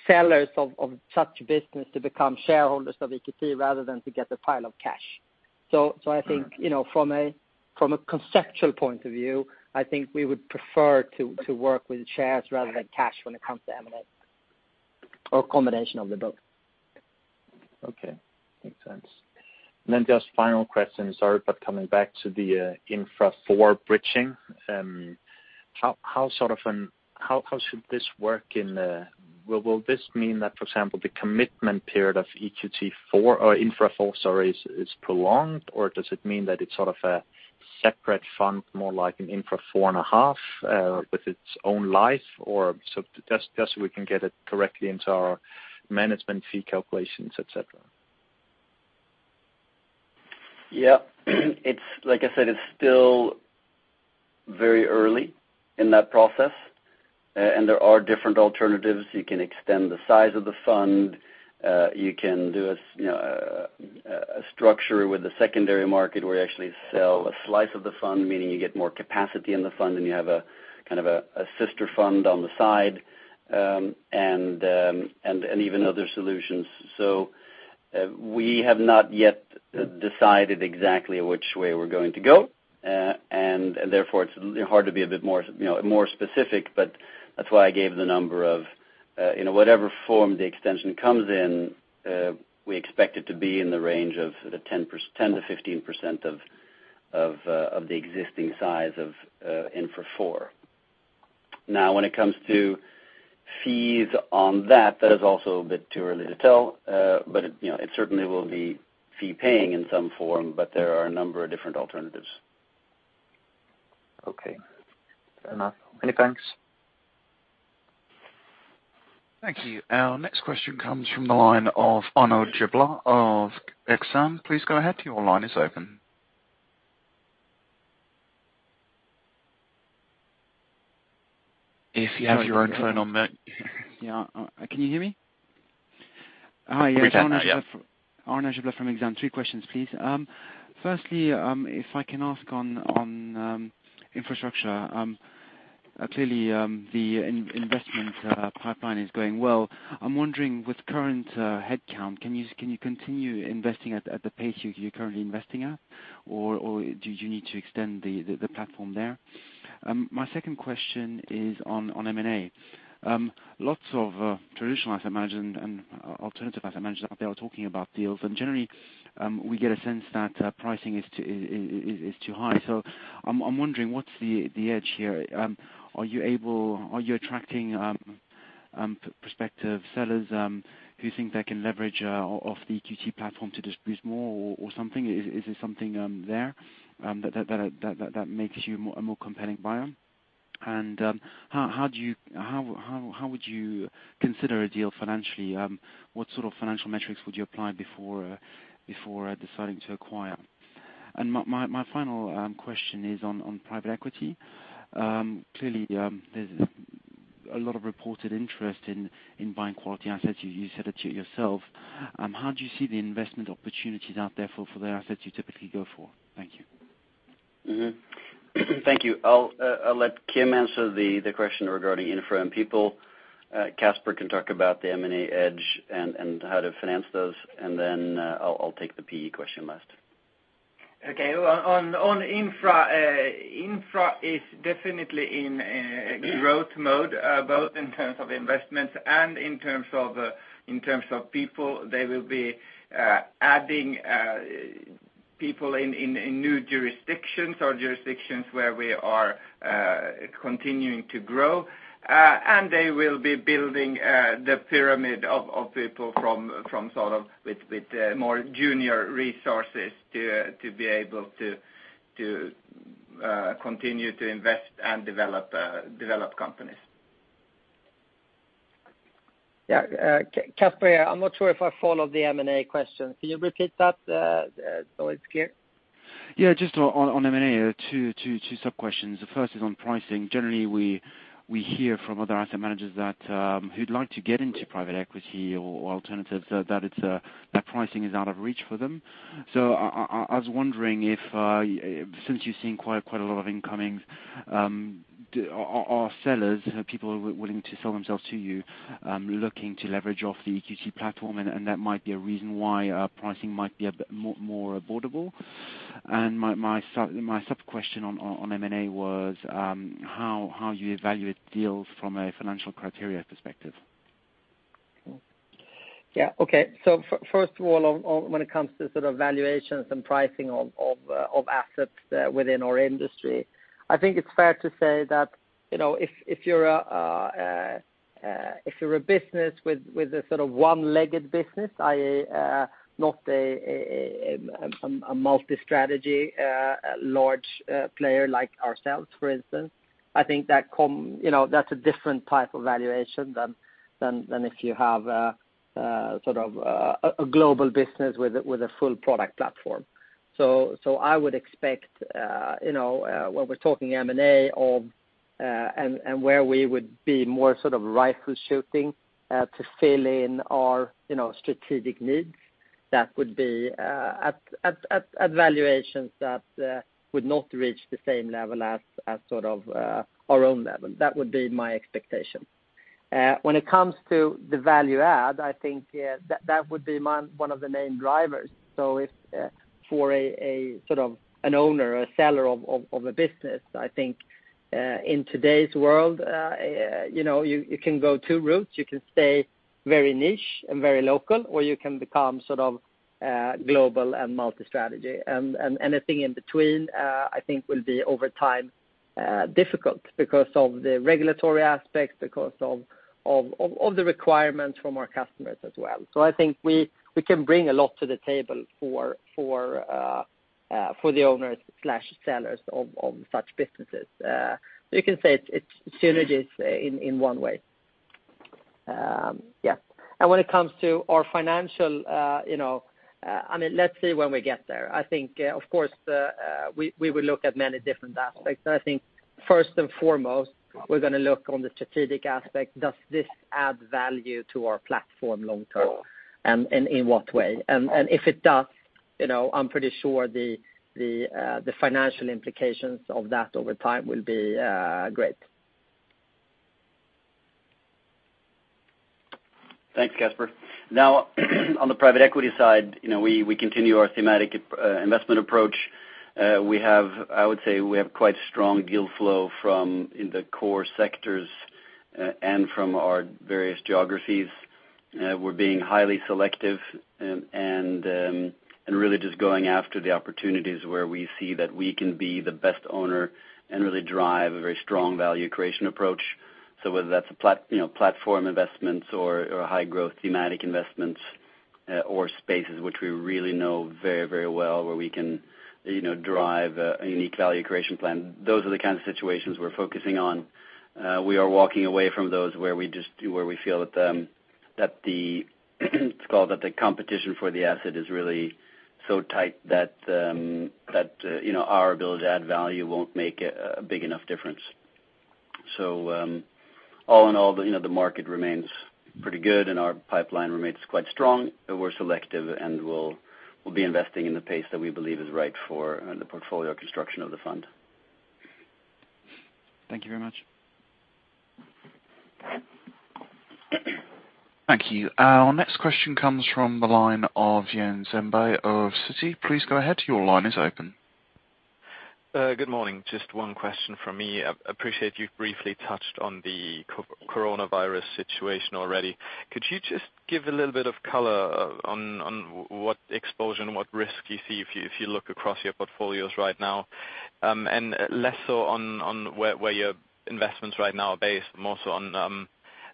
sellers of such business to become shareholders of EQT rather than to get the pile of cash. I think from a conceptual point of view, I think we would prefer to work with shares rather than cash when it comes to M&A, or a combination of the both. Okay. Makes sense. Just final question. Sorry, coming back to the Infra IV bridging, how should this work? Will this mean that, for example, the commitment period of Infra IV is prolonged, or does it mean that it's a separate fund, more like an Infra 4.5, with its own life? Just so we can get it correctly into our management fee calculations, et cetera. Like I said, it's still very early in that process, and there are different alternatives. You can extend the size of the fund. You can do a structure with the secondary market where you actually sell a slice of the fund, meaning you get more capacity in the fund, and you have a sister fund on the side, and even other solutions. We have not yet decided exactly which way we're going to go, and therefore it's hard to be a bit more specific, but that's why I gave the number of whatever form the extension comes in, we expect it to be in the range of the 10%-15% of the existing size of Infra IV. When it comes to fees on that is also a bit too early to tell. It certainly will be fee-paying in some form, but there are a number of different alternatives. Okay. Fair enough. Many thanks. Thank you. Our next question comes from the line of Arnaud Giblat of Exane. Please go ahead, your line is open. If you have your internet on. Yeah. Can you hear me? Hi, yeah. We've got now, yeah. Arnaud Giblat from Exane. Three questions, please. Firstly, if I can ask on infrastructure. Clearly, the investment pipeline is going well. I'm wondering with current headcount, can you continue investing at the pace you're currently investing at? Or do you need to extend the platform there? My second question is on M&A. Lots of traditional, I imagine, and alternative, I imagine, out there are talking about deals, and generally, we get a sense that pricing is too high. I'm wondering what's the edge here? Are you attracting prospective sellers who think they can leverage off the EQT platform to disperse more or something? Is there something there that makes you a more compelling buyer? And how would you consider a deal financially? What sort of financial metrics would you apply before deciding to acquire? And my final question is on private equity. Clearly, there's a lot of reported interest in buying quality assets. You said it yourself. How do you see the investment opportunities out there for the assets you typically go for? Thank you. Thank you. I'll let Kim answer the question regarding infra and people. Caspar can talk about the M&A edge and how to finance those. I'll take the PE question last. Okay. On infra is definitely in growth mode both in terms of investments and in terms of people. They will be adding people in new jurisdictions or jurisdictions where we are continuing to grow. They will be building the pyramid of people with more junior resources to be able to continue to invest and develop companies. Yeah. Caspar here. I'm not sure if I followed the M&A question. Can you repeat that so it's clear? Yeah. Just on M&A, two sub-questions. The first is on pricing. Generally, we hear from other asset managers that who'd like to get into private equity or alternatives, that pricing is out of reach for them. I was wondering if since you've seen quite a lot of incomings, are sellers, people willing to sell themselves to you, looking to leverage off the EQT platform, and that might be a reason why pricing might be a bit more affordable? My sub-question on M&A was how you evaluate deals from a financial criteria perspective. Yeah. Okay. First of all, when it comes to valuations and pricing of assets within our industry, I think it's fair to say that if you're a business with a one-legged business, i.e., not a multi-strategy large player like ourselves, for instance, I think that's a different type of valuation than if you have a global business with a full product platform. I would expect when we're talking M&A and where we would be more rifle shooting to fill in our strategic needs, that would be at valuations that would not reach the same level as our own level. That would be my expectation. When it comes to the value add, I think that would be one of the main drivers. If for an owner or seller of a business, I think in today's world you can go two routes. You can stay very niche and very local, or you can become global and multi-strategy. Anything in between, I think will be over time difficult because of the regulatory aspects, because of the requirements from our customers as well. I think we can bring a lot to the table for the owners/sellers of such businesses. You can say it's synergies in one way. Yeah. When it comes to our financial, let's see when we get there. I think of course, we will look at many different aspects. I think first and foremost, we're going to look on the strategic aspect. Does this add value to our platform long-term, and in what way? If it does, I'm pretty sure the financial implications of that over time will be great. Thanks, Caspar. On the private equity side, we continue our thematic investment approach. I would say we have quite strong deal flow in the core sectors and from our various geographies. We're being highly selective and really just going after the opportunities where we see that we can be the best owner and really drive a very strong value creation approach. Whether that's platform investments or high growth thematic investments or spaces which we really know very well, where we can drive a unique value creation plan, those are the kind of situations we're focusing on. We are walking away from those where we feel that the competition for the asset is really so tight that our ability to add value won't make a big enough difference. All in all, the market remains pretty good and our pipeline remains quite strong, but we're selective and we'll be investing in the pace that we believe is right for the portfolio construction of the fund. Thank you very much. Thank you. Our next question comes from the line of Jan Zembe of Citi. Please go ahead. Your line is open. Good morning. Just one question from me. I appreciate you've briefly touched on the coronavirus situation already. Could you just give a little bit of color on what exposure and what risk you see if you look across your portfolios right now? Less so on where your investments right now are based, more so on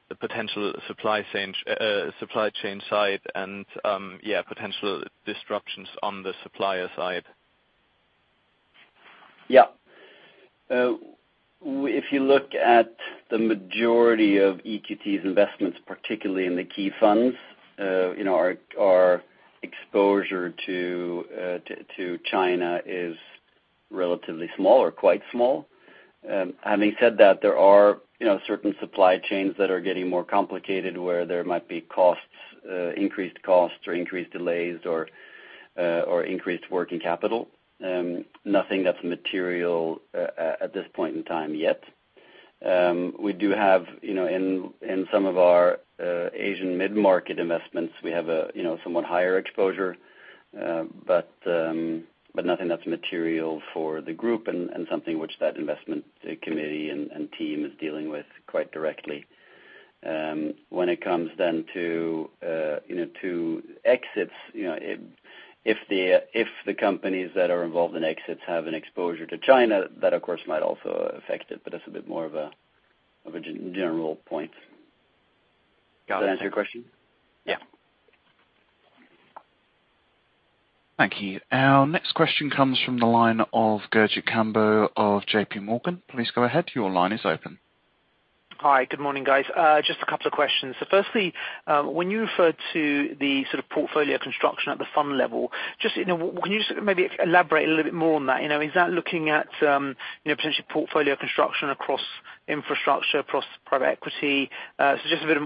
the potential supply chain side and potential disruptions on the supplier side. Yeah. If you look at the majority of EQT's investments, particularly in the key funds, our exposure to China is relatively small or quite small. Having said that, there are certain supply chains that are getting more complicated where there might be increased costs or increased delays or increased working capital. Nothing that's material at this point in time yet. In some of our Asian mid-market investments, we have a somewhat higher exposure, but nothing that's material for the group and something which that investment committee and team is dealing with quite directly. When it comes then to exits, if the companies that are involved in exits have an exposure to China, that of course might also affect it, but that's a bit more of a general point. Got it. Does that answer your question? Yeah. Thank you. Our next question comes from the line of Gurjit Kambo of JPMorgan. Please go ahead. Your line is open. Hi. Good morning, guys. Just a couple of questions. Firstly, when you refer to the sort of portfolio construction at the fund level, can you just maybe elaborate a little bit more on that? Is that looking at potentially portfolio construction across infrastructure, across private equity? Just a bit of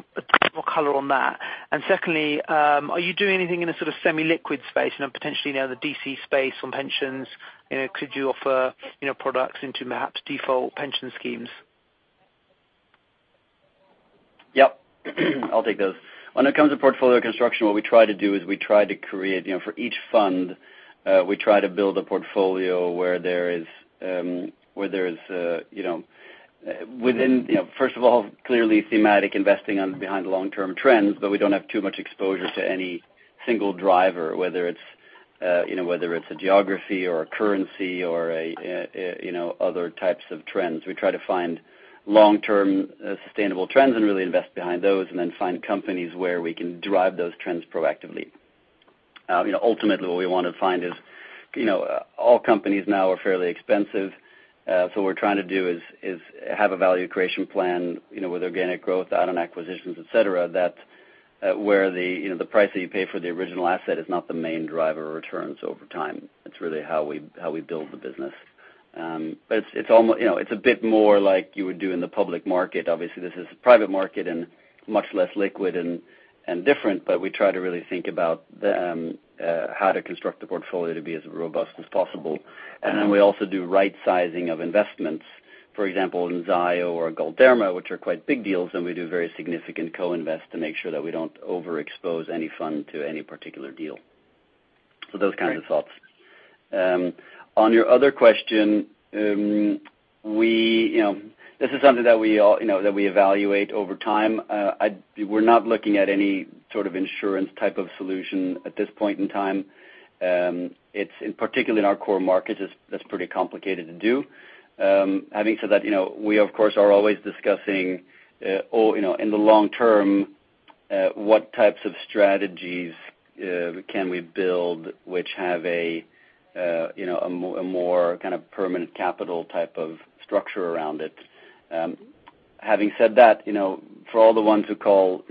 more color on that. Secondly, are you doing anything in a sort of semi-liquid space, potentially, the DC space on pensions? Could you offer products into perhaps default pension schemes? Yep. I'll take those. When it comes to portfolio construction, what we try to do is we try to create, for each fund, we try to build a portfolio where there is, within, first of all, clearly thematic investing behind long-term trends, but we don't have too much exposure to any single driver, whether it's a geography or a currency or other types of trends. We try to find long-term sustainable trends and really invest behind those, and then find companies where we can drive those trends proactively. Ultimately, what we want to find is, all companies now are fairly expensive. What we're trying to do is have a value creation plan with organic growth, add-on acquisitions, et cetera, that where the price that you pay for the original asset is not the main driver of returns over time. It's really how we build the business. It's a bit more like you would do in the public market. Obviously, this is private market and much less liquid and different, but we try to really think about how to construct the portfolio to be as robust as possible. Then we also do right sizing of investments. For example, in Zayo or Galderma, which are quite big deals, and we do very significant co-invest to make sure that we don't overexpose any fund to any particular deal. Those kinds of thoughts. On your other question, this is something that we evaluate over time. We're not looking at any sort of insurance type of solution at this point in time. Particularly in our core markets, that's pretty complicated to do. Having said that, we of course, are always discussing, in the long term, what types of strategies can we build which have a more kind of permanent capital type of structure around it. Having said that, for all the ones who call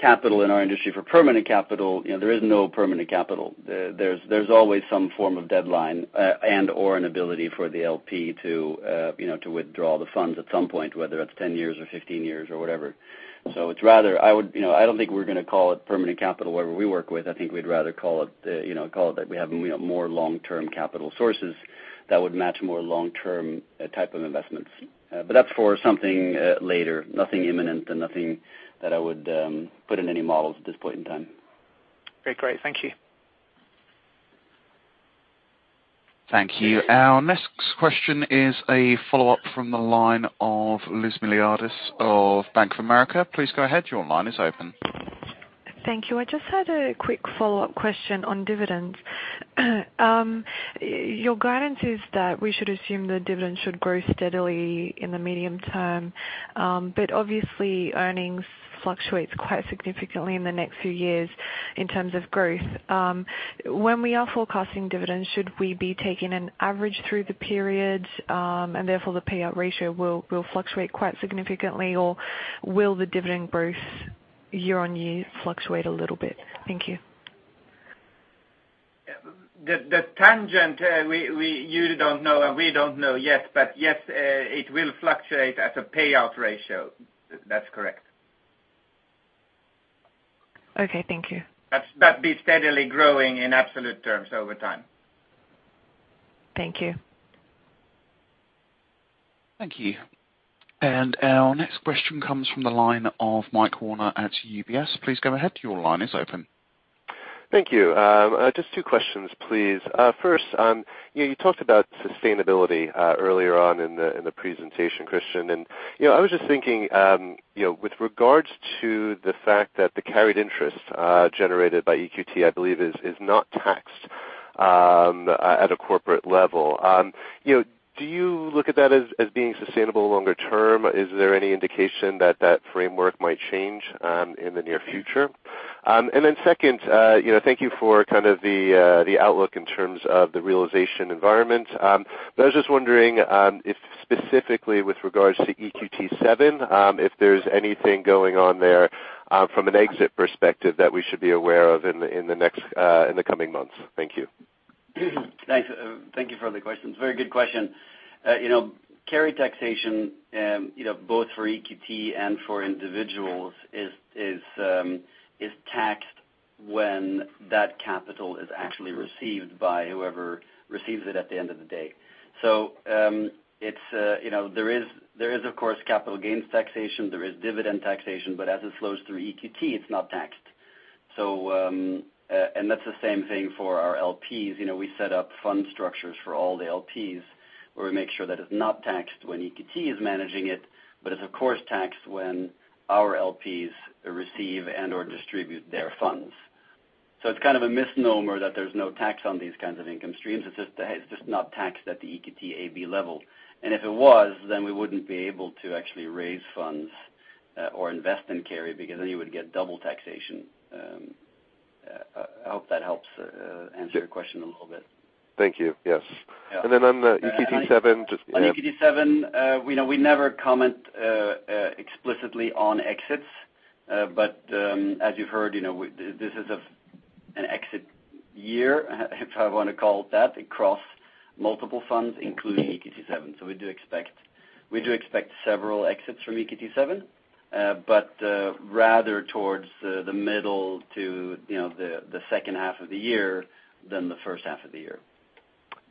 capital in our industry for permanent capital, there is no permanent capital. There is always some form of deadline, and/or an ability for the LP to withdraw the funds at some point, whether it is 10 years or 15 years or whatever. I don't think we are going to call it permanent capital whoever we work with. I think we would rather call it that we have more long-term capital sources that would match more long-term type of investments. That is for something later, nothing imminent and nothing that I would put in any models at this point in time. Okay, great. Thank you. Thank you. Our next question is a follow-up from the line of Liz Miliatis of Bank of America. Please go ahead. Your line is open. Thank you. I just had a quick follow-up question on dividends. Your guidance is that we should assume the dividends should grow steadily in the medium term. Obviously earnings fluctuates quite significantly in the next few years in terms of growth. When we are forecasting dividends, should we be taking an average through the periods, and therefore the payout ratio will fluctuate quite significantly? Will the dividend growth year-on-year fluctuate a little bit? Thank you. The tangent, you don't know, and we don't know yet. Yes, it will fluctuate as a payout ratio. That's correct. Okay. Thank you. That'd be steadily growing in absolute terms over time. Thank you. Thank you. Our next question comes from the line of Michael Werner at UBS. Please go ahead. Your line is open. Thank you. Just two questions, please. First, you talked about sustainability earlier on in the presentation, Christian. I was just thinking, with regards to the fact that the carried interest generated by EQT, I believe, is not taxed at a corporate level. Do you look at that as being sustainable longer term? Is there any indication that that framework might change in the near future? Second, thank you for the outlook in terms of the realization environment. I was just wondering if specifically with regards to EQT VII, if there's anything going on there from an exit perspective that we should be aware of in the coming months. Thank you. Thanks. Thank you for all the questions. Very good question. Carry taxation, both for EQT and for individuals, is taxed when that capital is actually received by whoever receives it at the end of the day. There is, of course, capital gains taxation, there is dividend taxation, but as it flows through EQT, it is not taxed. That's the same thing for our LPs. We set up fund structures for all the LPs where we make sure that it is not taxed when EQT is managing it, but it is of course taxed when our LPs receive and/or distribute their funds. It's kind of a misnomer that there's no tax on these kinds of income streams. It's just not taxed at the EQT AB level. If it was, we wouldn't be able to actually raise funds or invest in carry, because then you would get double taxation. I hope that helps answer your question a little bit. Thank you. Yes. Yeah. On the EQT VII. On EQT VII, we never comment explicitly on exits, but as you've heard, this is an exit year, if I want to call it that, across multiple funds, including EQT VII. We do expect several exits from EQT VII, but rather towards the middle to the second half of the year than the first half of the year.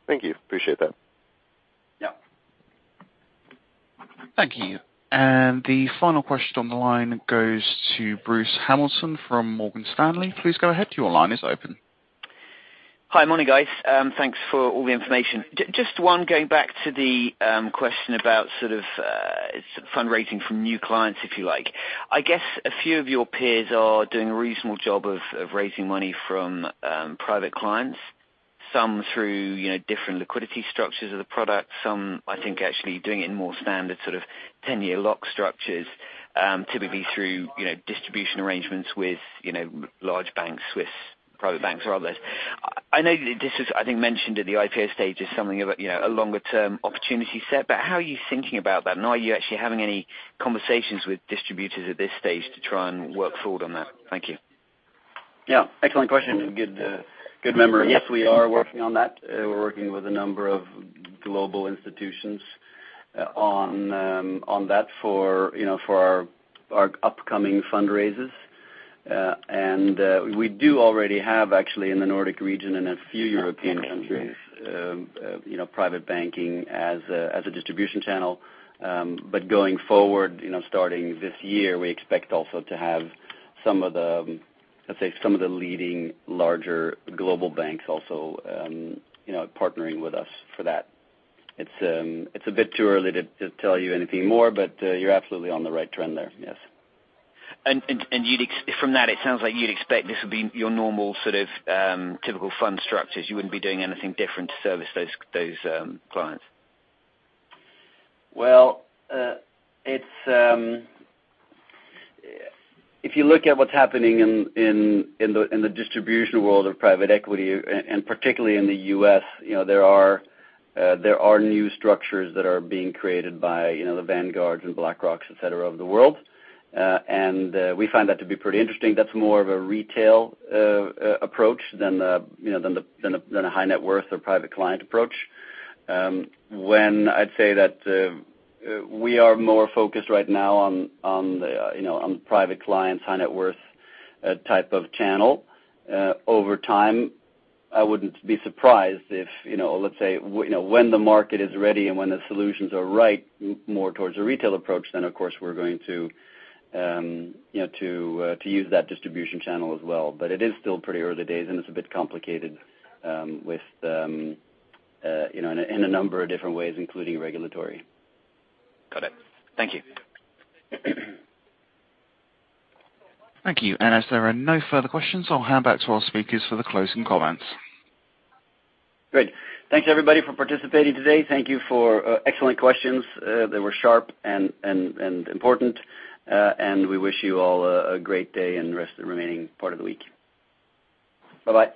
Thank you. Appreciate that. Yeah. Thank you. The final question on the line goes to Bruce Hamilton from Morgan Stanley. Please go ahead. Your line is open. Hi. Morning, guys. Thanks for all the information. Just one, going back to the question about fundraising from new clients, if you like. I guess a few of your peers are doing a reasonable job of raising money from private clients, some through different liquidity structures of the product, some, I think, actually doing it in more standard 10-year lock structures, typically through distribution arrangements with large banks, Swiss private banks, or others. I know this was, I think, mentioned at the IPO stage as something of a longer-term opportunity set, but how are you thinking about that? Are you actually having any conversations with distributors at this stage to try and work forward on that? Thank you. Yeah, excellent question. Good memory. Yes, we are working on that. We're working with a number of global institutions on that for our upcoming fundraisers. We do already have, actually, in the Nordic region and a few European countries private banking as a distribution channel. Going forward, starting this year, we expect also to have some of the leading larger global banks also partnering with us for that. It's a bit too early to tell you anything more, but you're absolutely on the right trend there, yes. From that, it sounds like you'd expect this would be your normal typical fund structures. You wouldn't be doing anything different to service those clients. Well, if you look at what's happening in the distribution world of private equity, and particularly in the U.S., there are new structures that are being created by the Vanguard and BlackRock, et cetera, of the world. We find that to be pretty interesting. That's more of a retail approach than a high net worth or private client approach. When I'd say that we are more focused right now on the private clients, high net worth type of channel. Over time, I wouldn't be surprised if, let's say, when the market is ready and when the solutions are right, more towards a retail approach, then of course we're going to use that distribution channel as well. It is still pretty early days, and it's a bit complicated in a number of different ways, including regulatory. Got it. Thank you. Thank you. As there are no further questions, I'll hand back to our speakers for the closing comments. Great. Thanks everybody for participating today. Thank you for excellent questions. They were sharp and important. We wish you all a great day and the rest of the remaining part of the week. Bye-bye.